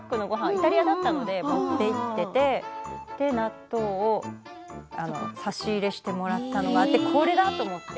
イタリアだったので持っていっていて納豆を差し入れしてもらったのがあって、これだと思って。